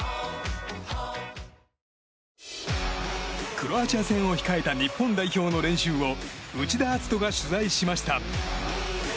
クロアチア戦を控えた日本代表の練習を内田篤人が取材しました。